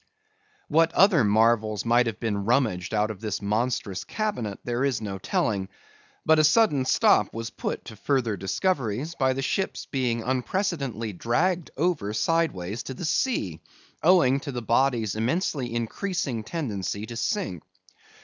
What other marvels might have been rummaged out of this monstrous cabinet there is no telling. But a sudden stop was put to further discoveries, by the ship's being unprecedentedly dragged over sideways to the sea, owing to the body's immensely increasing tendency to sink.